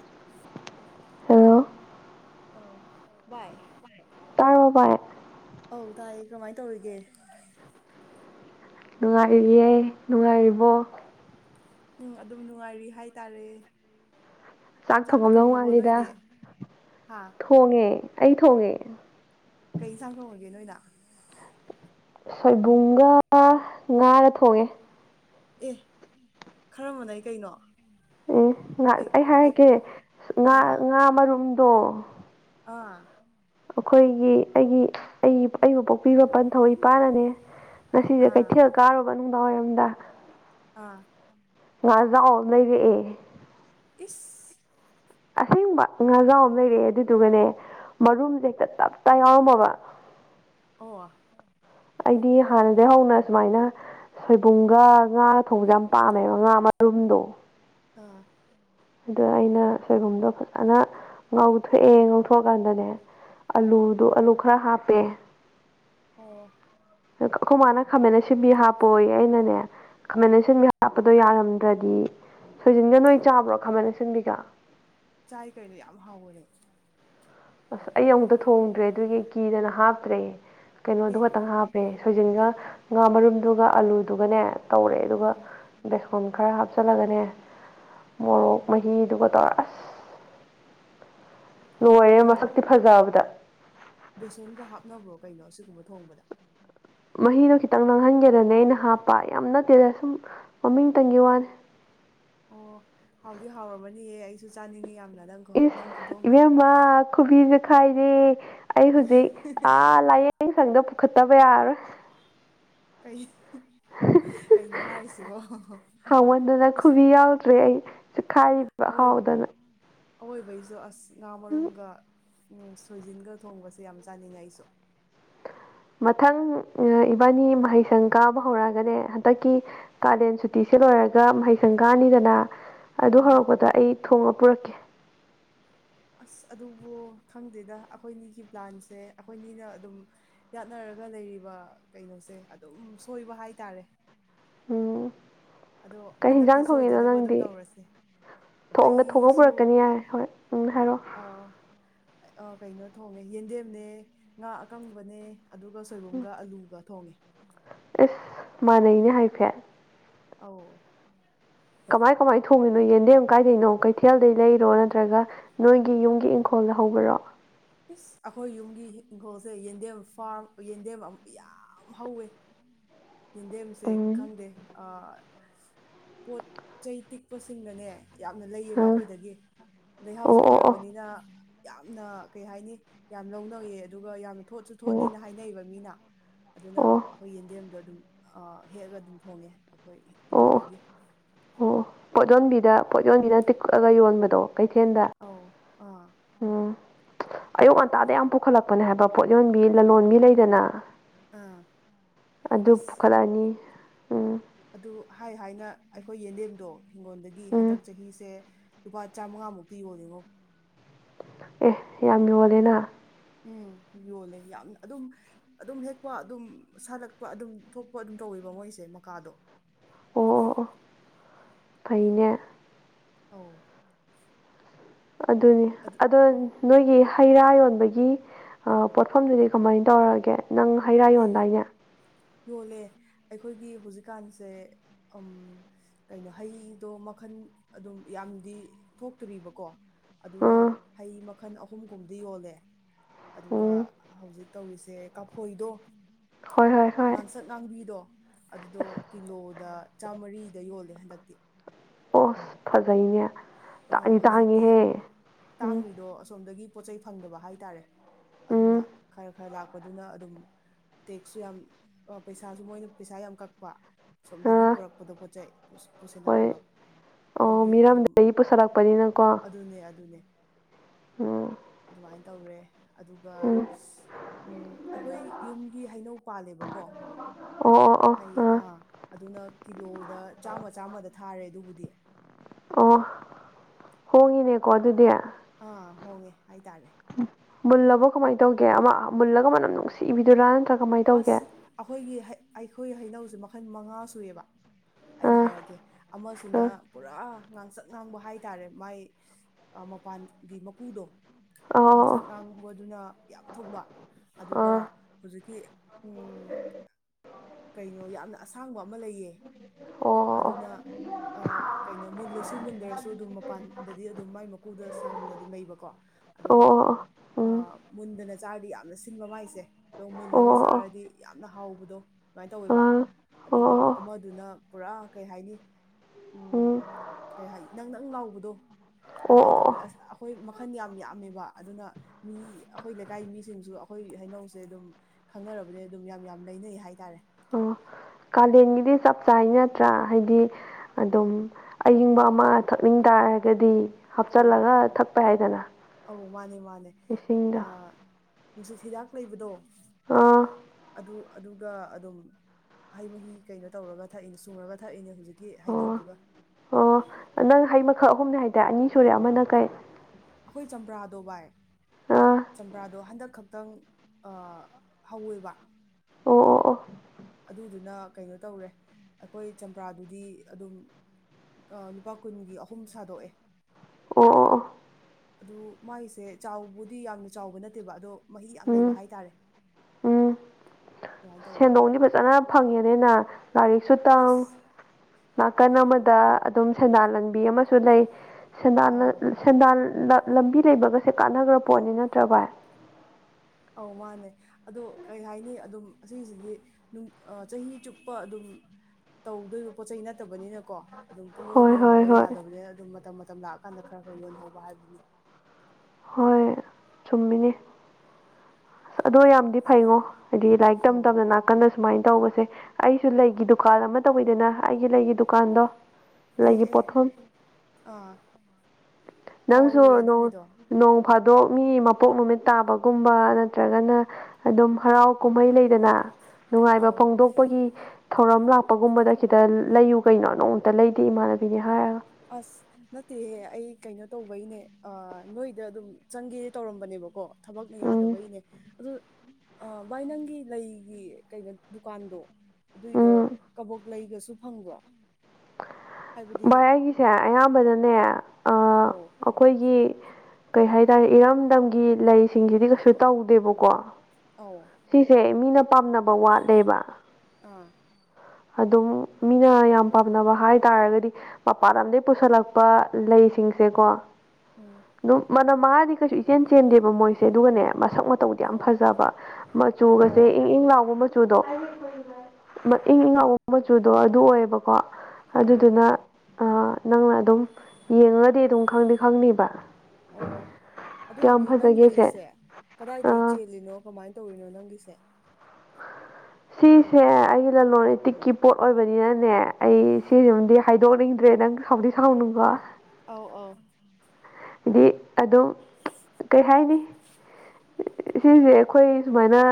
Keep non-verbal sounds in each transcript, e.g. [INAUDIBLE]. [INAUDIBLE] Hello ꯑꯥꯎ ꯕꯥꯏ ꯇꯔꯕꫭ ꯕꯥꯏ ꯑꯧ ꯇꯥꯏꯌꯦ ꯀꯃꯥꯏ ꯇꯧꯔꯤꯒꯦ ꯅꯨꯡꯉꯥꯏꯔꯤꯌꯦ ꯅꯨꯡꯉꯥꯏꯔꯤꯕꯣ ꯎꯝ ꯑꯗꯨꯝ ꯅꯨꯡꯉꯥꯏꯔꯤ ꯍꯥꯏꯇꯥꯔꯦ ꯆꯥꯛ ꯆꯥꯛꯀ ꯊꯣꯡꯉꯝꯗꯧ ꯊꯣꯡꯉꯕꯣ ꯅꯣꯏꯗꯤ ꯍꯥ ꯍꯣꯡꯉꯦ ꯑꯩ ꯊꯣꯡꯉꯦ ꯀꯩ ꯏꯆꯥꯡ ꯊꫭꯡꯉꯒꯦ ꯅꯣꯏꯅ ꯁꯣꯏꯕꯨꯝꯒ ꯉꯥꯒ ꯊꯣꯡꯉꯦ ꯑꯦ ꯈꯔ ꯃꯅꯩ ꯀꯩꯅꯣ ꯎꯝ ꯉ ꯑꯩ ꯍꯥꯏꯔꯒꯦ ꯉꯥ ꯑꯥ ꯉꯥ ꯃꯔꯨꯝꯗꯣ ꯑꯥ ꯑꯩꯈꯣꯏꯒꯤ ꯑꯩꯒꯤ ꯑꯩ ꯑꯩꯕꯨ ꯄꯣꯛꯄꯤꯕ ꯄꯟꯊꯧ ꯏꯄꯥꯅꯅꯦ ꯉꯁꯤꯁꯦ ꯑꯥ ꯀꯩꯊꯦꯜ ꯀꯥꯔꯨꯕ ꯅꯨꯡꯗꯥꯡꯋꯥꯏꯔꯝꯗ ꯑꯥ ꯉꯥꯖꯥꯎ ꯑꯝ ꯂꯩꯔꯛꯑꯦ ꯏꯁ ꯑꯁꯦꯡꯕ ꯉꯥꯖꯥꯎ ꯑꯃ ꯂꯩꯔꯛꯑꯦ ꯑꯗꯨꯗꯨꯒꯅꯦ ꯃꯔꯨꯝꯁꯦ ꯍꯦꯛꯇ ꯇꯞꯇꯥꯏ ꯌꯥꯎꯔꯝꯃꯕ ꯫ ꯑꯣ ꯑꯩꯗꯤ ꯍꯥꯟꯅꯗꯒꯤꯩ ꯍꯧꯅ ꯁꯨꯃꯥꯏꯅ ꯁꯣꯏꯕꯨꯝꯒ ꯉꯥꯒ ꯊꯣꯡꯕꯁꯦ ꯌꯥꯝ ꯄꯥꯝꯃꯦꯕ ꯉꯥ ꯃꯔꯨꯝꯗꯣ ꯫ ꯑꯥ ꯑꯗꯣ ꯑꯩꯅ ꯁꯣꯏꯕꯨꯝꯗꯣ ꯐꯖꯅ ꯉꯧꯊꯣꯛꯑꯦ ꯉꯧꯊꯣꯛꯑꯀꯥꯟꯗꯅꯦ ꯑꯂꯨꯗꯣ ꯑꯥꯂꯨ ꯈꯔ ꯍꯥꯞꯄꯦ ꯑꯣ ꯑꯩꯈꯣꯏ ꯃꯥꯅ ꯈꯥꯃꯦꯟ ꯑꯁꯤꯟꯕꯤ ꯍꯥꯞꯄꯣꯑꯦ ꯑꯩꯅꯅꯦ ꯫ ꯈꯥꯃꯦꯟ ꯑꯁꯤꯟꯕꯤ ꯍꯥꯞꯄꯗꯣ ꯌꯥꯔꯝꯗ꯭ꯔꯗꯤ ꯁꯣꯏꯖꯤꯟꯒ ꯅꯣꯏ ꯆꯥꯕ꯭ꯔꯣ ꯈꯥꯃꯦꯟ ꯑꯁꯤꯟꯕꯤꯁꯦ ꯫ ꯆꯥꯏ ꯀꯩꯅꯣ ꯌꯥꯝ ꯍꯥꯎꯕꯅꯦ ꯑꯁ ꯑꯩ ꯑꯃꯨꯛꯇ ꯊꯣꯡꯗ꯭ꯔꯦ ꯑꯗꯨꯒꯤ ꯀꯤꯗꯅ ꯍꯥꯞꯇ꯭ꯔꯦ ꯀꯩꯅꯣꯗꯨ ꯑꯦ ꯈꯛꯇꯪ ꯍꯥ ꯄꯦ ꯁꯣꯏꯖꯤꯟꯒ ꯉꯥ ꯃꯔꯨꯝꯗꯨꯒ ꯑꯂꯨꯗꯨꯒꯅꯦ ꯇꯧꯔꯦ ꯑꯗꯨꯒ ꯎꯝ ꯕꯦꯁꯣꯟ ꯈꯔ ꯍꯥꯞꯆꯤꯜꯂꯒꯅꯦ ꯃꯣꯔꯣꯛ ꯃꯍꯤꯗꯨꯒ ꯇꯧꯔ ꯑꯁ ꯫ ꯂꯣꯏꯔꯦ ꯀꯩꯅꯣ ꯃꯁꯛꯇꯤ ꯐꯖꯕꯗ ꯕꯦꯁꯣꯟꯒ ꯍꯥꯞꯅꯕ꯭ꯔꯣ ꯀꯩꯅꯣ ꯁꯣꯏꯕꯨꯝ ꯊꯣꯡꯕꯗ ꯫ ꯃꯍꯤꯗꯣ ꯈꯤꯇꯪ ꯅꯥꯡꯍꯟꯒꯦꯗꯅꯦ ꯑꯩꯅ ꯍꯥꯞꯄ ꯌꯥꯝ ꯅꯠꯇꯦꯗ ꯁꯨꯝ ꯃꯃꯤꯡꯇꯪꯒꯤ ꯋꯥꯅꯤ ꯫ ꯑꯣ ꯍꯥꯎꯗꯤ ꯍꯥꯎꯔꯝꯃꯅꯤꯌꯦ ꯑꯩꯁꯨ ꯆꯥꯅꯤꯡꯉꯦ ꯌꯥꯝꯅ ꯅꯪ ꯅꯪ ꯏꯁ ꯈꯨꯊꯣꯡꯗꯣ ꯏꯕꯦꯝꯃ ꯈꯨꯕꯤꯁꯦ ꯆꯤꯈꯥꯏꯔꯦ ꯑꯩ ꯍꯧꯖꯤꯛ ꯑꯥ ꯂꯥꯏꯌꯦ ꯏꯁꯦꯡ ꯁꯪꯗ ꯄꯨꯈꯠꯇꯕ ꯌꯥꯔꯔꯣꯏ ꯫ ꯀꯩ ꯁꯣ ꯍꯥꯎꯃꯟꯗꯅ ꯏꯁ ꯈꯨꯕꯤ ꯌꯥꯎꯗ꯭ꯔꯦ ꯑꯩ ꯫ ꯆꯈꯥꯏꯔꯤꯕ ꯑꯋꯣꯏ ꯑꯍꯥꯎꯗꯅ ꯑꯋꯣꯏꯕꯩꯁꯨ ꯑꯁ ꯉꯥ ꯃꯔꯨꯝꯒ ꯁꯣꯏꯖꯤꯟꯒ ꯊꯣꯡꯕꯁꯦ ꯌꯥꯝ ꯆꯥꯅꯤꯡꯉꯦ ꯑꯩꯁꯨ ꯫ ꯃꯊꯪ ꯏꯕꯥꯅꯤ ꯃꯍꯩꯁꯪ ꯀꯥꯕ ꯍꯧꯔꯛꯑꯒꯅꯦ ꯍꯟꯗꯛꯀꯤ ꯀꯥꯂꯦꯟ ꯁꯨꯇꯤꯁꯦ ꯂꯣꯏꯔꯒ ꯃꯍꯩꯁꯪ ꯀꯅꯤꯗꯅ ꯫ ꯑꯗꯨ ꯎꯝ ꯍꯧꯔꯛꯄꯗ ꯑꯩ ꯊꯣꯡꯉ ꯄꯨꯔꯛꯀꯦ ꯫ ꯑꯁ ꯑꯗꯨꯕꯨ ꯈꯪꯗꯦꯗ ꯑꯩꯈꯣꯏꯅꯤꯒꯤ ꯄ꯭ꯂꯥꯟꯁꯦ ꯑꯩꯈꯣꯏꯅꯤꯅ ꯑꯗꯨꯝ ꯌꯥꯠꯅꯔꯒ ꯂꯩꯔꯤꯕ ꯀꯩꯅꯣꯁꯦ ꯑꯗꯨꯝ ꯁꯣꯏꯕ ꯍꯥꯏꯇꯥꯔꯦ ꯫ [UNINTELLIGIBLE] ꯑꯗꯣ ꯀꯩ ꯍꯤꯟꯖꯥꯡ ꯍꯟꯗꯛꯇꯤ ꯁꯣꯏꯗꯅꯕ ꯑꯗꯨꯝ ꯇꯧꯔꯁꯦ ꯫ ꯊꯣꯡꯗ ꯊꯣꯡꯉꯥ ꯄꯨꯔꯛꯀꯅꯤ ꯌꯥꯔꯦ ꯍꯣꯏ ꯎꯝ ꯍꯥꯏꯔꯛꯑꯣ ꯫ ꯑꯥ ꯀꯩꯅꯣ ꯊꯣꯡꯉꯦ ꯌꯦꯟꯗꯦꯝꯅꯦ ꯉꯥ ꯑꯀꯪꯕꯅꯦ ꯫ ꯑꯗꯨꯒ ꯎꯝ ꯁꯣꯏꯕꯨꯝꯒ ꯑꯂꯨꯒ ꯊꯣꯡꯉꯦ ꯫ ꯑꯦꯁ ꯃꯥꯟꯅꯩꯅꯦ ꯍꯥꯏꯐꯦ ꯑꯧ ꯀꯃꯥꯏ ꯀꯃꯥꯏ ꯊꯣꯡꯉꯤꯅꯣ ꯌꯦꯟꯗꯦꯝ ꯀꯥꯏꯗꯅꯣ ꯀꯩꯊꯦꯜꯗꯩ ꯂꯩꯔꯣ ꯅꯠꯇ꯭ꯔꯒ ꯅꯣꯏꯒꯤ ꯌꯨꯝꯒꯤ ꯏꯪꯈꯣꯜꯗ ꯍꯧꯕꯔꯣ ꯏꯁ ꯑꯩꯈꯣꯏ ꯌꯨꯝꯒꯤ ꯏꯪꯈꯣꯜꯁꯦ ꯌꯦꯟꯗꯦꯝ ꯐꯥꯔꯝ ꯌꯦꯟꯗꯦꯝ ꯄꯥꯝꯕꯤ ꯌꯥꯝ ꯍꯧꯋꯦ ꯫ ꯌꯦꯟꯗꯦꯝꯁꯦ ꯎꯝ ꯈꯪꯗꯦ ꯄꯣꯠ ꯆꯩ ꯇꯤꯛꯄꯁꯤꯡꯅꯅꯦ ꯌꯥꯝꯅ ꯂꯩꯌꯦꯕ ꯑꯥ ꯑꯩꯈꯣꯏꯗꯒꯤ ꯫ ꯑꯣ ꯂꯩꯍꯥꯎꯁꯨ ꯑꯣ ꯑꯣ ꯐꯔꯕꯅꯤꯅ ꯌꯥꯝꯅ ꯀꯩ ꯍꯥꯏꯅꯤ ꯌꯥꯝ ꯂꯧꯅꯩꯌꯦ ꯑꯗꯨꯒ ꯌꯥꯝꯅ ꯊꯣꯠꯁꯨ ꯑꯣ ꯊꯣꯠꯂꯦꯅ ꯍꯥꯏꯅꯔꯤꯕ ꯃꯤꯅ ꯑꯗꯨꯅ ꯑꯣ ꯑꯩꯈꯣꯏ ꯌꯦꯟꯗꯦꯝꯗꯣ ꯑꯗꯨꯝ ꯫ ꯍꯦꯛꯑꯒ ꯑꯗꯨꯝ ꯊꯣꯡꯉꯦ ꯑꯩꯈꯣꯏ ꯑꯣ ꯑꯣ ꯏꯪꯈꯣꯟꯗꯒꯤ ꯑꯣ ꯄꯣꯠ ꯌꯣꯟꯕꯤꯗ ꯄꯣꯠ ꯌꯣꯟꯕꯤꯅ ꯇꯤꯀꯛꯑꯒ ꯌꯣꯟꯕꯗꯣ ꯀꯩꯊꯦꯜꯗ ꯑꯧ ꯑꯥ ꯑꯣ ꯑꯌꯨꯛ ꯉꯟꯇꯥꯗ ꯌꯥꯝ ꯄꯨꯈꯠꯂꯛꯄꯅꯦ ꯍꯥꯏꯕ ꯄꯣꯠ ꯌꯣꯟꯕꯤ ꯂꯂꯣꯟꯕꯤ ꯂꯩꯗꯅ ꯑꯥ ꯑꯗꯨ ꯑꯁ ꯄꯨꯈꯠꯂꯛꯑꯅꯤ ꯎꯝ ꯑꯗꯨ ꯍꯥꯏ ꯍꯥꯏꯅ ꯑꯩꯈꯣꯏ ꯌꯦꯟꯗꯦꯝꯗꯣ ꯍꯤꯡꯒꯣꯜꯗꯒꯤ ꯎꯝ ꯍꯟꯗꯛ ꯆꯍꯤꯁꯦ ꯫ ꯂꯨꯄꯥ ꯆꯥꯝꯃꯉꯥꯃꯨꯛꯇꯤ ꯌꯣꯜꯂꯤꯉꯣ ꯑꯦꯍ ꯌꯥꯝ ꯌꯣꯜꯂꯦꯅ ꯎꯝ ꯌꯣꯜꯂꯦ ꯌꯥꯝꯅ ꯑꯗꯨꯝ ꯑꯗꯨꯝ ꯍꯦꯛꯄ ꯑꯗꯨꯝ ꯁꯥꯠꯂꯛꯄ ꯑꯗꯨꯝ ꯊꯣꯛꯄ ꯑꯗꯨꯝ ꯇꯧꯋꯦꯕ ꯃꯣꯏꯁꯦ ꯃꯀꯥꯗꯣ ꯑꯣ ꯑꯣ ꯑꯣ ꯐꯩꯅꯦ ꯑꯧ ꯑꯗꯨꯅꯤ ꯑꯗꯨ ꯑꯗꯣ ꯅꯣꯏꯒꯤ ꯍꯩ ꯔꯥ ꯌꯣꯟꯕꯒꯤ ꯄꯣꯠꯐꯝꯗꯨꯗꯤ ꯀꯃꯥꯏꯅ ꯇꯧꯔꯒꯦ ꯅꯪ ꯍꯩꯔꯥ ꯑꯦ ꯌꯣꯟꯗꯥꯏꯅꯦ ꯌꯣꯜꯂꯦ ꯑꯩꯈꯣꯏꯒꯤ ꯍꯧꯖꯤꯛꯀꯥꯟꯁꯦ ꯎ ꯀꯩꯅꯣ ꯍꯩꯗꯣ ꯃꯈꯜ ꯑꯗꯨꯝ ꯌꯥꯝꯗꯤ ꯊꯣꯛꯇꯣꯔꯤꯕꯀꯣ ꯑꯗꯨꯅ ꯑꯥ ꯍꯩ ꯃꯈꯜ ꯑꯍꯨꯝꯒꯨꯝꯕꯗꯤ ꯌꯣꯜꯂꯦ ꯑꯗꯨꯒ ꯎꯝ ꯍꯧꯖꯤꯛ ꯇꯧꯔꯤꯁꯦ ꯀꯐꯣꯏꯗꯣ ꯍꯣꯏ ꯍꯣꯏ ꯍꯣꯏ ꯑꯉꯥꯡꯁꯪ ꯉꯥꯡꯕꯤꯗꯣ ꯑꯗꯨꯗꯣ ꯑꯁ ꯀꯤꯂꯣꯗ ꯆꯥꯃꯔꯤꯗ ꯌꯣꯜꯂꯦ ꯍꯟꯗꯛꯇꯤ ꯑꯣꯁ ꯐꯖꯩꯅꯦ ꯑꯥ ꯇꯥꯡꯗꯤ ꯍꯧꯖꯤꯛꯇꯤ ꯇꯥꯡꯉꯤꯍꯦ ꯎꯝ ꯇꯥꯡ꯭ꯔꯤꯗꯣ ꯑꯁꯣꯝꯗꯒꯤ ꯄꯣꯠ ꯆꯩꯩ ꯐꯪꯗꯕ ꯍꯥꯏꯇꯥꯔꯦ ꯑꯗꯨꯅ ꯎꯝ ꯈꯔ ꯈꯔ ꯂꯥꯛꯄꯗꯨꯅ ꯑꯗꯨꯝ ꯇꯦꯛꯁꯁꯨ ꯌꯥꯝ ꯄꯩꯁꯥꯁꯨ ꯃꯣꯏꯅ ꯄꯩꯁꯥ ꯌꯥꯝ ꯀꯛꯄ ꯁꯣꯝꯗꯒꯤ ꯑꯥ ꯄꯨꯔꯛꯄꯗꯣ ꯄꯣꯠ ꯆꯩ ꯍꯣꯏ ꯄꯨꯁꯤꯜꯂꯛꯄꯗꯣ ꯑꯣ ꯑꯗꯨꯒꯤ ꯑꯗꯨꯝ ꯃꯤꯔꯝꯗꯒꯤ ꯄꯨꯁꯜꯂꯛꯄꯅꯤꯅꯀꯣ ꯑꯗꯨꯅꯦ ꯑꯗꯨꯅꯦ ꯎꯝ ꯑꯗꯨꯃꯥꯏꯅ ꯇꯧꯔꯦ ꯑꯗꯨꯒ ꯎꯝ ꯎꯝ ꯑꯩꯈꯣꯏ ꯌꯨꯝꯒꯤ ꯍꯩꯅꯧ ꯄꯥꯜꯂꯦꯕꯀꯣ ꯑꯣ ꯑꯣ ꯑꯣ ꯍꯩ ꯑꯥ ꯑꯗꯨꯅ ꯀꯤꯂꯣꯗ ꯆꯥꯝꯃ ꯆꯥꯝꯃꯗ ꯊꯥꯔꯦ ꯑꯗꯨꯕꯨꯗꯤ ꯏꯅꯦꯀꯣ ꯑꯗꯨꯗꯤ ꯑꯥ ꯍꯣꯡꯉꯦ ꯍꯥꯏꯇꯥꯔꯦ ꯃꯨꯜꯂꯕ ꯀꯃꯥꯏꯅ ꯇꯧꯒꯦ ꯑꯃ ꯃꯨꯜꯂꯒ ꯃꯅꯝ ꯅꯨꯡꯁꯤ ꯏꯕꯤꯗꯣꯏꯔꯥ ꯅꯠꯇ꯭ꯔꯒ ꯑꯁ ꯑꯩꯈꯣꯏꯒꯤ ꯑꯩꯈꯣꯏ ꯍꯩꯅꯧꯁꯦ ꯃꯈꯜ ꯃꯉꯥ ꯁꯨꯑꯕ ꯑꯥ ꯑꯩꯅ ꯑꯥ ꯍꯥꯏꯔꯒꯦ ꯑꯃꯁꯤꯅ ꯑꯣ ꯄꯨꯔꯥ ꯉꯥꯡꯁꯪ ꯉꯥꯡꯕ ꯍꯥꯏꯇꯥꯔꯦ ꯃꯥꯏ ꯑ ꯃꯄꯥꯟꯒꯤ ꯃꯄꯨꯗꯣ ꯑꯣ ꯑꯣ ꯉꯥꯡꯁꯪ ꯉꯥꯡꯕꯗꯨꯅ ꯌꯥꯝ ꯊꯨꯝꯕ ꯑꯗꯨꯒ ꯑ ꯍꯧꯖꯤꯛꯀꯤ ꯎꯝ ꯀꯩꯅꯣ ꯌꯥꯝꯅ ꯑꯁꯥꯡꯕ ꯑꯃ ꯂꯩꯌꯦ ꯑꯣ ꯑꯗꯨꯅ ꯀꯩꯅꯣ ꯃꯨꯜꯂꯁꯨ ꯃꯨꯟꯗꯔꯁꯨ ꯑꯗꯨꯝ ꯃꯄꯥꯟꯗꯗꯤ ꯑꯗꯨꯝ ꯃꯥꯏ ꯃꯀꯨꯗ ꯁꯪꯅ ꯑꯗꯨꯝ ꯂꯩꯕꯀꯣ ꯑꯣ ꯑꯗꯨꯒ ꯑꯣ ꯎꯝ ꯃꯨꯟꯗꯅ ꯆꯥꯔꯗꯤ ꯌꯥꯝꯅ ꯁꯤꯟꯕ ꯃꯥꯏꯁꯦ ꯑꯗꯣ ꯑꯣ ꯃꯨꯜꯂꯒ ꯑꯣ ꯑꯣ ꯆꯥꯔꯗꯤ ꯌꯥꯝꯅ ꯍꯥꯎꯕꯗꯣ ꯑꯗꯨꯃꯥꯏꯅ ꯇꯧꯋꯦꯕ ꯑꯗꯨꯒ ꯑꯃꯗꯨꯅ ꯄꯨꯔꯥ ꯀꯩ ꯍꯥꯏꯅꯤ ꯎꯝ ꯀꯩ ꯍꯥꯏ ꯅꯪ ꯅꯪ ꯂꯥꯎꯕꯗꯣ ꯑꯣ ꯑꯗꯨꯃꯥꯏꯅ ꯇꯧꯋꯦ ꯑꯣ ꯑꯁ ꯑꯩꯈꯣꯏ ꯃꯈꯜ ꯌꯥꯝ ꯌꯥꯝꯃꯦꯕ ꯑꯗꯨꯅ ꯃꯤ ꯑꯩꯈꯣꯏ ꯂꯩꯀꯥꯏ ꯃꯤꯁꯤꯡꯁꯨ ꯑꯩꯈꯣꯏ ꯍꯩꯅꯧꯁꯦ ꯑꯗꯨꯝ ꯈꯪꯅꯔꯕꯅꯦ ꯑꯗꯨꯝ ꯌꯥꯝ ꯌꯥꯝꯅ ꯂꯩꯅꯩ ꯍꯥꯏꯇꯥꯔꯦ ꯑꯣ ꯀꯥꯂꯦꯟꯒꯤꯗꯤ ꯆꯞ ꯆꯥꯩ ꯅꯠꯇ꯭ꯔꯥ ꯍꯥꯏꯗꯤ ꯑꯗꯨꯝ ꯑꯏꯪꯕ ꯑꯃ ꯊꯛꯅꯤꯡ ꯇꯥꯔꯒꯗꯤ ꯑꯧ ꯍꯥꯞꯆꯤꯜꯂꯒ ꯊꯛꯄ ꯍꯥꯏꯗꯅ ꯑꯧ ꯃꯥꯅꯦ ꯃꯥꯅꯦ ꯏꯁꯤꯡꯗꯣ ꯅꯨꯡꯁꯤꯠ ꯍꯤꯗꯥꯛ ꯂꯩꯕꯗꯣ ꯑꯥ ꯑꯗꯨ ꯑꯗꯨꯒ ꯑꯗꯨꯝ ꯍꯩ ꯃꯍꯤ ꯀꯩꯅꯣ ꯇꯧꯔꯒ ꯊꯛꯏꯅꯦ ꯁꯨꯔꯒ ꯊꯛꯏꯅꯦ ꯍꯧꯖꯤꯛꯀꯤ ꯑꯣ ꯍꯩꯅꯧꯗꯨꯒ ꯑꯣ ꯅꯪ ꯍꯥꯏ ꯃꯈꯜ ꯑꯍꯨꯝꯅꯦ ꯍꯥꯏꯗꯥꯏ ꯑꯅꯤ ꯁꯨꯔꯦ ꯑꯃꯅ ꯀꯩ ꯑꯩꯈꯣꯏ ꯆꯝꯄ꯭ꯔꯥꯗꯣ ꯚꯥꯏ ꯑꯥ ꯆꯝꯄ꯭ꯔꯥꯗꯣ ꯍꯟꯗꯛ ꯈꯛꯇꯪ ꯍꯧꯋꯦꯕ ꯑꯣ ꯑꯣ ꯑꯣ ꯑꯗꯨꯗꯨꯅ ꯀꯩꯅꯣ ꯇꯧꯔꯦ ꯑꯩꯈꯣꯏ ꯆꯝꯄ꯭ꯔꯥꯗꯨꯗꯤ ꯑꯗꯨꯝ ꯂꯨꯄꯥ ꯀꯨꯟꯒꯤ ꯑꯍꯨꯝ ꯁꯥꯗꯣꯛꯑꯦ ꯑꯣ ꯑꯣ ꯑꯗꯨ ꯃꯥꯒꯤꯁꯦ ꯆꯥꯎꯕꯨꯗꯤ ꯌꯥꯝꯅ ꯆꯥꯎꯕ ꯅꯠꯇꯦꯕ ꯑꯗꯣ ꯃꯍꯤ ꯌꯥꯝ ꯂꯩꯕ ꯎꯝ ꯍꯥꯏꯇꯥꯔꯦ ꯎꯝ ꯑꯗꯨꯃꯥꯏꯅ ꯇꯧꯕ ꯁꯦꯟꯗꯣꯡꯗꯤ ꯐꯖꯅ ꯐꯪꯉꯦꯅꯦꯅ ꯂꯥꯏꯔꯤꯛꯁꯨ ꯇꯪ ꯑꯁ ꯅꯥꯀꯟ ꯑꯃꯗ ꯑꯗꯨꯝ ꯁꯦꯟꯗꯥꯟ ꯂꯟꯕꯤ ꯑꯃꯁꯨ ꯂꯩ ꯁꯦꯟꯗꯥꯟ ꯑꯧ ꯁꯦꯟꯗꯥꯟ ꯂꯝꯕꯤ ꯂꯩꯕꯒꯁꯦ ꯀꯥꯟꯅꯈ꯭ꯔ ꯄꯣꯠꯅꯤ ꯅꯠꯇ꯭ꯔ ꯚꯥꯏ ꯑꯧ ꯃꯥꯅꯦ ꯑꯗꯣ ꯀꯔꯤ ꯍꯥꯏꯅꯤ ꯑꯗꯨꯝ ꯑꯁꯤꯁꯤꯗꯤ ꯆꯍꯤ ꯆꯨꯞꯄ ꯑꯗꯨꯝ ꯇꯧꯗꯣꯏꯕ ꯄꯣꯠ ꯆꯩ ꯅꯠꯇꯕꯅꯤꯅ ꯀꯣ ꯑꯗꯨꯝ ꯄꯨꯡ ꯌꯣꯟ ꯍꯣꯏ ꯍꯣꯏ ꯌꯣꯟꯕ ꯍꯣꯏ ꯌꯥꯗꯕꯅꯤꯅ ꯑꯗꯨꯝ ꯃꯇꯝ ꯃꯇꯝ ꯂꯥꯛꯑꯀꯥꯟꯗ ꯈꯔ ꯈꯔ ꯌꯣꯟꯍꯧꯕ ꯍꯥꯏꯕꯗꯨꯅꯤ ꯍꯣꯏ ꯆꯨꯝꯃꯤꯅꯤ ꯑꯗꯣ ꯌꯥꯝꯗꯤ ꯐꯩꯉꯣ ꯍꯥꯏꯗꯤ ꯂꯥꯏꯔꯤꯛ ꯇꯝ ꯑꯧ ꯇꯝꯅ ꯥꯛ ꯀꯗ ꯁꯨꯃꯥꯏꯅ ꯇꯧꯕꯁꯦ ꯑꯩꯁꯨ ꯂꯩꯒꯤ ꯗꯨꯀꯥꯟ ꯑꯃ ꯇꯧꯕꯋꯤꯗꯅ ꯑꯩꯒꯤ ꯂꯩꯒꯤ ꯗꯨꯀꯥꯟꯗꯣ ꯑꯦ ꯂꯩꯒꯤ ꯑꯦ ꯄꯣꯠꯊꯣꯟ ꯑꯥ ꯅꯪꯁꯨ ꯀꯥꯎꯔꯨꯔꯦ ꯑꯗꯨꯒꯤꯗꯣ ꯅꯣꯡ ꯐꯥꯗꯣꯛ ꯃꯤ ꯃꯄꯣꯛ ꯅꯨꯃꯤꯠ ꯇꯥꯕꯒꯨꯝꯕ ꯅꯠꯇ꯭ꯔꯒꯅ ꯑꯗꯨꯝ ꯍꯔꯥꯎ ꯀꯨꯝꯍꯩ ꯂꯩꯗꯅ ꯅꯨꯡꯉꯥꯏꯕ ꯑꯧ ꯐꯣꯡꯗꯣꯛꯄꯒꯤ ꯊꯧꯔꯝ ꯂꯥꯛꯄꯒꯨꯝꯕꯗ ꯈꯤꯇ ꯂꯩꯌꯨ ꯀꯩꯅꯣ ꯅꯣꯡꯃꯇ ꯂꯩꯇꯦ ꯏꯃꯥꯟꯅꯕꯤꯅꯤ ꯍꯥꯏꯔꯒ ꯑꯁ ꯅꯠꯇꯦꯍꯦ ꯑꯩ ꯀꯩꯅꯣ ꯇꯧꯕꯩꯅꯦ ꯅꯣꯏꯗ ꯑꯗꯨꯝ ꯆꯪꯒꯦ ꯇꯧꯔꯝꯕꯅꯦꯕꯀꯣ ꯊꯕꯛꯅ ꯎꯝ ꯌꯥꯗꯕꯩꯅꯦ ꯑꯗꯨ ꯑ ꯚꯥꯏ ꯅꯪꯒꯤ ꯂꯩꯒꯤ ꯀꯩꯅꯣ ꯗꯨꯀꯥꯟꯗꯣ ꯑꯗꯨꯏꯗꯣ ꯎꯝ ꯀꯕꯣꯛ ꯂꯩꯒꯁꯨ ꯐꯪꯕ꯭ꯔꯥ ꯚꯥꯏ ꯑꯩꯒꯤꯁꯦ ꯑꯌꯥꯝꯕꯅꯅꯦ ꯑꯥ ꯑꯧ ꯑꯩꯈꯣꯏꯒꯤ ꯀꯩ ꯍꯥꯏꯇꯥꯔꯦ ꯏꯔꯝꯗꯝꯒꯤ ꯂꯩꯁꯤꯡꯁꯤꯗꯤ ꯀꯩꯁꯨ ꯇꯧꯗꯦꯕꯀꯣ ꯑ ꯁꯤꯁꯦ ꯃꯤꯅ ꯄꯥꯝꯅꯕ ꯋꯥꯠꯂꯦꯕ ꯑꯥ ꯑꯗꯨꯝ ꯃꯤꯅ ꯌꯥꯝ ꯄꯥꯝꯅꯕ ꯍꯥꯏ ꯇꯥꯔꯒꯗꯤ ꯃꯄꯥꯟ ꯂꯝꯗꯒꯤ ꯄꯨꯁꯜꯂꯛꯄ ꯂꯩꯁꯤꯡꯁꯦꯀꯣ ꯎꯝ ꯑꯗꯨꯝ ꯃꯅꯝ ꯃꯉꯥꯗꯤ ꯀꯩꯁꯨ ꯏꯆꯦꯟ ꯆꯦꯟꯗꯦꯕ ꯃꯣꯏꯁꯦ ꯑꯗꯨꯒꯅꯦ ꯃꯁꯛ ꯇꯧꯗꯤ ꯌꯥꯝ ꯑꯣ ꯐꯖꯕ ꯃꯆꯨꯒꯁꯦ ꯑꯣ ꯏꯪ ꯏꯪ ꯂꯥꯎꯕ ꯃꯆꯨ ꯃꯆꯨꯗꯣ ꯏꯪ ꯏꯪ ꯂꯥꯎꯕ ꯃꯆꯨꯗꯣ ꯑꯗꯨ ꯑꯣꯏꯌꯦꯕꯀꯣ ꯑꯥ ꯑꯗꯨꯗꯨꯅ ꯅꯪꯅ ꯑꯗꯨꯝ ꯌꯦꯡꯉꯒꯗꯤ ꯑꯗꯨꯝ ꯈꯪꯗꯤ ꯈꯪꯅꯤꯕ ꯑꯣ ꯑꯗꯨ ꯀꯌꯥꯝ ꯑꯣꯏꯔꯗꯤ ꯅꯪ ꯐꯖꯒꯦꯁꯦ ꯂꯩꯁꯦ ꯀꯗꯥꯏꯗꯒꯤ ꯑ, ꯆꯦꯜꯂꯤꯅꯣ ꯀꯃꯥꯏꯅ ꯇꯧꯔꯤꯅꯣ ꯅꯪꯒꯤꯁꯦ ꯁꯤꯁꯦ ꯑꯩꯒꯤ ꯂꯂꯣꯟ ꯏꯇꯤꯛꯀꯤ ꯄꯣꯠ ꯑꯣꯏꯕꯅꯤꯅꯅꯦ ꯑꯩ ꯁꯤꯁꯤꯃꯗꯤ ꯈꯥꯏꯗꯣꯛꯅꯤꯡꯗ꯭ꯔꯦ ꯅꯪ ꯁꯥꯎꯗꯤ ꯁꯥꯎꯅꯤꯡꯀꯣ ꯑꯥꯎ ꯑꯥꯎ ꯍꯥꯏꯗꯤ ꯑꯗꯨꯝ ꯀꯩ ꯍꯥꯏꯅꯤ ꯁꯤꯁꯦ ꯑꯩꯈꯣꯏ ꯁꯨꯃꯥꯏꯅ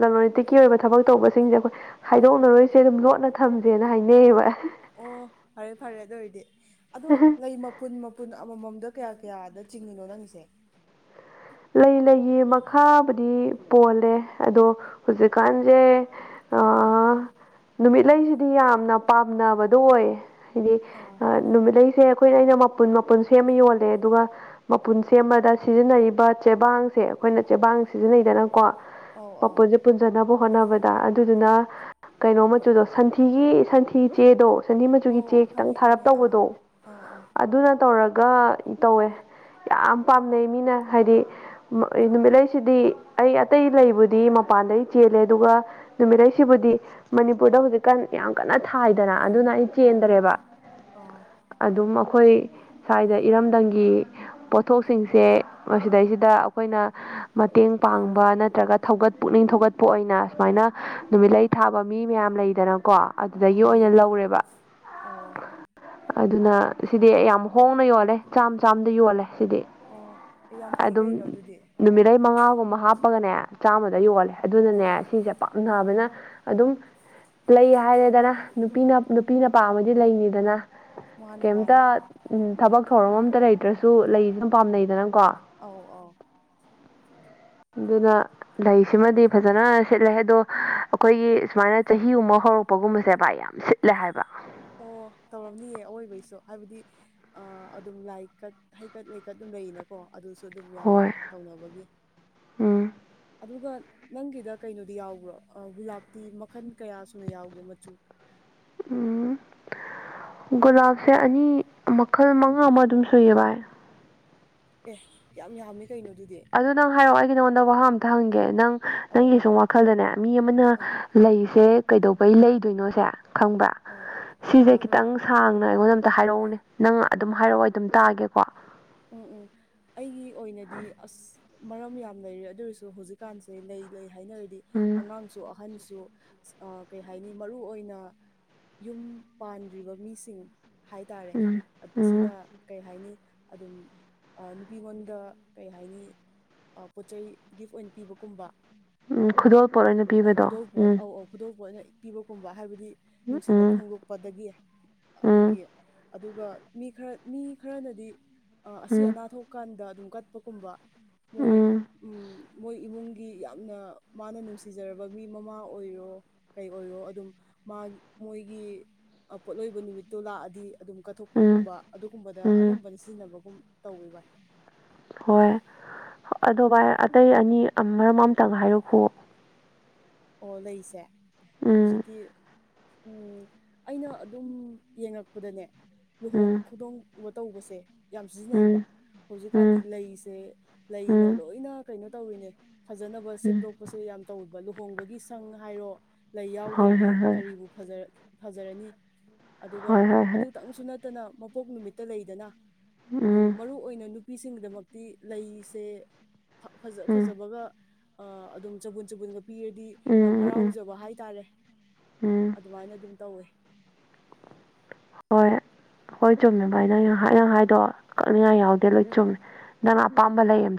ꯂꯂꯣꯟ ꯏꯇꯤꯛꯀꯤ ꯑꯣꯏꯕ ꯊꯕꯛ ꯇꯧꯕꯁꯤꯡꯁꯦ ꯑꯩꯈꯣꯏ ꯍꯥꯏꯗꯣꯛꯅꯔꯣꯏꯁꯦ ꯑꯗꯨꯝ ꯂꯣꯠꯅ ꯊꯝꯁꯦꯅ ꯍꯥꯏꯅꯩꯌꯦꯕ ꯑꯦ ꯑꯣ ꯐꯔꯦ ꯐꯔꯦ ꯑꯗꯨ ꯑꯣꯏꯔꯗꯤ ꯑꯗꯣ ꯂꯩ ꯀꯨꯟ ꯃꯄꯨꯟ ꯑꯃꯃꯝꯗ ꯀꯌꯥ ꯀꯌꯥꯗ ꯆꯤꯡꯉꯤꯅꯣ ꯅꯪꯁꯦ ꯂꯩ ꯂꯩꯒꯤ ꯃꯈꯥꯕꯨꯗꯤ ꯄꯣꯜꯂꯦ ꯑꯗꯣ ꯍꯧꯖꯤꯛꯀꯥꯟꯁꯦ [INAUDIBLE] ꯅꯨꯃꯤꯠꯂꯩꯁꯤꯗꯤ ꯌꯥꯝꯅ ꯄꯥꯝꯅꯕꯗꯣ ꯑꯣꯏꯌꯦ ꯍꯥꯏꯗꯤ ꯑꯥ ꯑ ꯅꯨꯃꯤꯠ ꯂꯩꯁꯦ ꯑꯩꯈꯣꯏꯅ ꯑꯩꯅ ꯃꯄꯨꯟ ꯃꯄꯨꯟ ꯁꯦꯝꯃ ꯌꯣꯜꯂꯦ ꯑꯗꯨꯒ ꯃꯄꯨꯟ ꯁꯦꯝꯕꯗ ꯁꯤꯖꯤꯟꯅꯔꯤꯕ ꯆꯦꯕꯥꯡꯁꯦ ꯑꯩꯈꯣꯏꯅ ꯆꯦꯕꯥꯡ ꯁꯤꯖꯤꯟꯅꯩꯗꯅꯀꯣ ꯑꯧ ꯑꯧ ꯃꯄꯨꯟꯖꯦ ꯄꯨꯟꯖꯅꯕ ꯍꯣꯠꯅꯕꯗ ꯑꯗꯨꯗꯨꯅ ꯀꯩꯅꯣ ꯃꯆꯨꯗꯣ ꯁꯟꯊꯤꯒꯤ ꯁꯟꯊꯤ ꯆꯦꯗꯣ ꯁꯟꯊꯤ ꯑꯣ ꯃꯆꯨꯒꯤ ꯑꯣ ꯆꯦ ꯈꯤꯇꯪ ꯈꯪꯉꯦ ꯊꯥꯔꯞ ꯈꯪꯉꯦ ꯑꯥ ꯇꯧꯕꯗꯣ ꯑꯥ ꯑꯥ ꯑꯗꯨꯅ ꯇꯧꯔꯒ ꯇꯧꯋꯦ ꯌꯥꯝ ꯄꯥꯝꯅꯩ ꯃꯤꯅ ꯍꯥꯏꯗꯤ ꯃꯛꯑ ꯅꯨꯃꯤꯠꯂꯩꯁꯤꯗꯤ ꯑꯩ ꯑꯇꯩ ꯂꯩꯕꯨꯗꯤ ꯃꯄꯥꯟꯗꯩ ꯆꯦꯜꯂꯦ ꯑꯗꯨꯒ ꯅꯨꯃꯤꯠꯂꯩꯁꯤꯕꯨꯗꯤ ꯃꯅꯤꯄꯨꯔꯗ ꯍꯨꯖꯤꯛꯀꯥꯟ ꯌꯥꯝ ꯀꯟꯅ ꯊꯥꯏꯗꯅ ꯑꯗꯨꯅ ꯑꯩ ꯑꯣ ꯆꯦꯟꯗ꯭ꯔꯦꯕ ꯑꯥ ꯑꯗꯨꯝ ꯑꯩꯈꯣꯏ ꯁ꯭ꯋꯥꯏꯗ ꯏꯔꯝꯗꯝꯒꯤ ꯄꯣꯠꯊꯣꯛꯁꯤꯡꯁꯦ ꯃꯁꯤꯗꯩꯁꯤ ꯗ ꯑꯩꯈꯣꯏꯅ ꯃꯇꯦꯡ ꯄꯥꯡꯕ ꯅꯠꯇ꯭ꯔꯒ ꯊꯧꯒꯠ ꯄꯨꯛꯅꯤꯡ ꯊꯧꯒꯠꯄ ꯑꯣꯏꯅ ꯁꯨꯃꯥꯏꯅ ꯅꯨꯃꯤꯠꯂꯩ ꯊꯥꯕ ꯃꯤ ꯃꯌꯥꯝ ꯂꯩꯗꯅꯀꯣ ꯑꯗꯨꯗꯒꯤ ꯑꯧ ꯂꯩ ꯑꯣꯏꯅ ꯂꯩ ꯂꯧꯔꯦꯕ ꯑꯣ ꯑꯗꯨꯅ ꯁꯤꯗꯤ ꯌꯥꯝ ꯍꯣꯡꯅ ꯌꯣꯜꯂꯦ ꯆꯥꯝ ꯆꯥꯝꯃꯗ ꯌꯣꯜꯂꯦ ꯁꯤꯗꯤ ꯑꯣ ꯑꯦ ꯌꯥꯝ ꯐꯩ ꯑꯗꯨꯝ ꯀꯩꯅꯣ ꯑꯗꯨꯗꯤ ꯅꯨꯃꯤꯠ ꯂꯩꯩ ꯃꯉꯥꯒꯨꯝꯕ ꯍꯥꯞꯄꯒꯅꯦ ꯆꯥꯝꯃꯗ ꯑꯥ ꯌꯣꯜꯂꯦ ꯑꯗꯨꯅꯅꯦ ꯁꯤꯖꯦ ꯄꯥꯝꯅꯕꯅ ꯑꯗꯨꯝ ꯂꯩ ꯍꯥꯏꯔꯦꯗꯅ ꯅꯨꯄꯤꯅ ꯅꯨꯄꯤꯅ ꯄꯥꯝꯃꯗꯤ ꯂꯩꯅꯤꯗꯅ꯫ ꯃꯥꯅꯦ ꯀꯩꯝꯇ ꯃꯥꯅꯦ ꯎꯝ ꯊꯕꯛ ꯊꯧꯔꯝ ꯑꯝꯇ ꯂꯩꯇ꯭ꯔꯁꯨ ꯂꯩꯗꯤ ꯑꯗꯨ ꯄꯥꯝꯅꯩꯗꯅꯀꯣ꯫ ꯑꯥꯎ ꯑꯥꯎ ꯑꯗꯨꯅ ꯂꯩꯁꯤꯃꯗꯤ ꯐꯖꯅ ꯁꯤꯠꯂꯦ ꯑꯗꯣ ꯑꯈꯣꯏꯒꯤ ꯁꯨꯃꯥꯏꯅ ꯆꯍꯤꯒꯨꯝꯕ ꯍꯧꯔꯛꯄꯒꯨꯝꯕꯁꯦ ꯕꯌꯥ ꯁꯤꯠꯂꯦ ꯍꯥꯏꯕ ꯑꯣ ꯇꯧꯔꯝꯅꯤꯌꯦ ꯑꯋꯣꯏꯕꯩꯁꯨ ꯍꯥꯏꯕꯗꯤ ꯑ ꯑꯗꯨꯝ ꯂꯥꯏꯀꯠ ꯍꯩꯀꯠ ꯂꯩꯀꯠ ꯑꯗꯨꯝ ꯂꯩꯔꯤꯅꯀꯣ ꯑꯗꯨꯁꯨ ꯑꯗꯨꯝ ꯌꯥꯝꯅ ꯍꯣꯏ ꯇꯧꯅꯕꯒꯤ ꯎꯝ ꯑꯗꯨꯒ ꯅꯪꯒꯤꯗ ꯀꯩꯅꯣꯗꯤ ꯌꯥꯎꯕ꯭ꯔꯣ ꯑꯥ ꯒꯨꯂꯥꯞꯇꯤ ꯃꯈꯟ ꯀꯌꯥ ꯁꯨꯅ ꯌꯥꯎꯒꯦ ꯃꯆꯨ ꯎꯝ ꯒꯨꯂꯥꯞꯁꯦ ꯑꯅꯤ ꯃꯈꯜ ꯃꯉꯥ ꯃꯨꯛ ꯑꯗꯨꯝ ꯁꯨꯏꯌꯦ ꯚꯥꯏ ꯑꯦ ꯌꯥꯝ ꯌꯥꯝꯃꯤ ꯀꯩꯅꯣ ꯑꯗꯨꯗꯤ ꯑꯗꯨ ꯅꯪ ꯍꯥꯏꯔꯛꯑꯣ ꯑꯩꯗꯤ ꯅꯉꯣꯟꯗ ꯋꯥꯍꯪ ꯑꯝꯇ ꯍꯪꯒꯦ ꯅꯪ ꯑꯧ ꯅꯪꯒꯤ ꯁꯨꯝ ꯋꯥꯈꯜꯗꯅꯦ ꯃꯤ ꯑꯃꯅ ꯑꯥ ꯂꯩꯁꯦ ꯀꯩꯗꯧꯕꯩ ꯂꯩꯗꯣꯏꯅꯣꯁꯦ ꯈꯪꯕ꯭ꯔ ꯑꯥ ꯁꯤꯁꯦ ꯑꯥ ꯈꯤꯇꯪ ꯁꯥꯡꯅ ꯑꯩꯉꯣꯟꯗ ꯑꯝꯇ ꯍꯥꯏꯔꯛꯎꯅꯦ ꯅꯪ ꯑꯗꯨꯝ ꯍꯥꯏꯔꯛꯑꯣ ꯑꯩ ꯑꯗꯨꯝ ꯇꯥꯒꯦꯀꯣ꯫ ꯎꯝ ꯎꯝ ꯑꯩꯒꯤ ꯑꯣꯏꯅꯗꯤ ꯑꯁ ꯃꯔꯝ ꯌꯥꯝꯅ ꯂꯩꯔꯦ ꯑꯗꯨ ꯑꯣꯏꯔꯁꯨ ꯍꯧꯖꯤꯛꯀꯥꯟꯁꯦ ꯂꯩ ꯂꯩ ꯍꯥꯏꯅꯔꯗꯤ ꯎꯝ ꯑꯉꯥꯡ ꯁꯨ ꯑꯍꯟꯁꯨ ꯁ ꯀꯩ ꯍꯥꯏꯅꯤ ꯃꯔꯨ ꯑꯣꯏꯅ ꯌꯨꯝ ꯄꯥꯟꯗ꯭ꯔꯤꯕ ꯃꯤꯁꯤꯡ ꯍꯥꯏꯇꯥꯔꯦ ꯎꯝ ꯑꯠ ꯎꯝ ꯑꯁꯤꯅ ꯀꯩ ꯍꯥꯏꯅꯤ ꯑꯗꯨꯝ ꯑꯥ ꯅꯨꯄꯤꯉꯣꯟꯗ ꯀꯩ ꯍꯥꯏꯅꯤ ꯑꯥ ꯄꯣꯠꯆꯩ ꯒꯤꯐ ꯑꯣꯏꯅ ꯄꯤꯕꯒꯨꯝꯕ ꯎꯝ ꯈꯨꯗꯣꯜꯄꯣꯠ ꯑꯣꯏꯅ ꯄꯤꯕꯗꯣ ꯎꯝ ꯈꯨꯗꯣꯜ ꯄꯣꯠ ꯑꯣꯏꯅ ꯄꯤꯕꯒꯨꯝꯕ ꯍꯥꯏꯕꯗꯤ ꯅꯨꯡꯁꯤꯕ ꯎꯝ ꯐꯣꯡꯗꯣꯛꯄꯗꯒꯤ ꯎꯝ ꯑꯗꯨꯒꯤ ꯑꯗꯨꯒ ꯃꯤ ꯈꯔ ꯃꯤ ꯈꯔꯅꯗꯤ ꯑ ꯑꯁꯤ ꯎꯝ ꯑꯅꯥ ꯊꯣꯛꯄ ꯀꯥꯟꯗ ꯑꯗꯨꯝ ꯀꯠꯄꯒꯨꯝꯕ ꯃꯣꯏ ꯎꯝ ꯎꯝ ꯃꯣꯏ ꯏꯃꯨꯡꯒꯤ ꯌꯥꯝꯅ ꯃꯥꯅ ꯅꯨꯡꯁꯤ ꯁꯤꯖꯔꯕ ꯃꯤ ꯃꯃꯥ ꯑꯣꯏꯔꯣ ꯀꯩ ꯑꯣꯏꯔꯣ ꯑꯗꯨꯝ ꯃꯥ ꯃꯣꯏꯒꯤ ꯑꯥ ꯄꯣꯠꯂꯣꯏꯕ ꯅꯨꯃꯤꯠꯇꯣ ꯂꯥꯛꯑꯗꯤ ꯑꯗꯨꯝ ꯀꯠꯊꯣꯛ ꯄ ꯎꯝ ꯀꯨꯝꯕ ꯑꯗꯨꯒꯨꯝꯕꯗ ꯎꯝ ꯑꯅꯝꯕꯅ ꯁꯤꯖꯤꯟꯅꯕꯒꯨꯝ ꯇꯧꯋꯤ ꯚꯥꯏ ꯍꯣꯏ ꯑꯗꯣ ꯚꯥꯏ ꯑꯇꯩ ꯑꯅꯤ ꯑ ꯃꯔꯝ ꯑꯝꯇꯪ ꯍꯥꯏꯔꯛꯈꯨꯑꯣ ꯑꯣ ꯂꯩꯁꯦ ꯎꯝ ꯍꯨꯖꯤꯛꯀꯤ ꯎꯝ ꯑꯩꯅ ꯑꯗꯨꯝ ꯌꯦꯡꯉꯛꯄꯗꯅꯦ ꯂꯨꯍꯣꯡ ꯎꯝ ꯈꯨꯗꯣꯡ ꯇꯧꯕꯁꯦ ꯌꯥꯝ ꯎꯝ ꯁꯤꯖꯤꯟꯅꯩꯕ ꯎꯝ ꯍꯧꯖꯤꯛꯀꯥꯟꯗꯤ ꯂꯩꯁꯦ ꯂꯩꯅ ꯎꯝ ꯂꯣꯏꯅ ꯀꯩꯅꯣ ꯇꯧꯔꯤꯅꯦ ꯐꯖꯅꯕ ꯎꯝ ꯁꯦꯝꯗꯣꯛꯄꯁꯦ ꯌꯥꯝ ꯇꯧꯕꯕ ꯂꯨꯍꯣꯡꯕꯒꯤ ꯁꯪ ꯍꯥꯏꯔꯣ ꯂꯩ ꯍꯣꯏ ꯍꯣꯏ ꯌꯥꯎꯗꯔꯗꯤ ꯍꯣꯏ ꯀꯔꯤꯕꯨ ꯐꯖꯔꯅꯤ ꯍꯣꯏ ꯑꯗꯨꯒ ꯍꯣꯏ ꯍꯣꯏ ꯑꯗꯨꯇꯪꯁꯨ ꯅꯠ ꯅꯠꯇꯅ ꯃꯄꯣꯛ ꯅꯨꯃꯤꯠꯇ ꯂꯩꯗꯅ ꯑꯗꯨꯝ ꯎꯝ ꯃꯔꯨ ꯑꯣꯏꯅ ꯅꯨꯄꯤꯁꯤꯡꯒꯤꯗꯃꯛꯇꯤ ꯂꯩꯁꯦ ꯐꯖ ꯎꯝ ꯐꯖꯕꯒ ꯑ ꯑꯗꯨꯝ ꯆꯕꯨꯟ ꯆꯕꯨꯟꯒ ꯄꯤꯔꯗꯤ ꯎꯝ ꯌꯥꯝ ꯎꯝ ꯎꯝ ꯍꯔꯥꯎꯖꯕ ꯍꯥꯏꯇꯥꯔꯦ ꯎꯝ ꯑꯗꯨꯃꯥꯏꯅ ꯑꯗꯨꯝ ꯇꯧꯋꯦ ꯍꯣꯏ ꯍꯣꯏ ꯆꯨꯝꯃꯦ ꯚꯥꯏ ꯅꯪ ꯍꯥꯏꯅ ꯍꯥꯏꯗꯣ ꯀꯛꯅꯤꯡꯉꯥꯏ ꯌꯥꯎꯗꯦ ꯂꯣꯏ ꯆꯨꯝꯃꯦ ꯅꯪ ꯑꯄꯥꯝꯕ ꯂꯩ ꯑꯗ